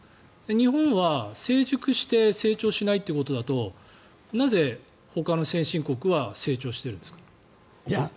日本は成熟して成長しないということだとなぜ、ほかの先進国は成長しているんですか？